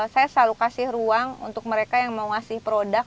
saya selalu kasih ruang untuk mereka yang mau ngasih produk